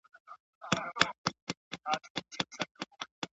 پر جل وهلي زړه مي ډکه پیمانه لګېږې `